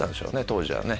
当時は。